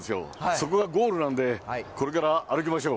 そこがゴールなんで、これから歩きましょう。